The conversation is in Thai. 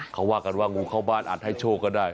เขาว่ากันว่างูเข้าบ้านอาจให้โชคก็ได้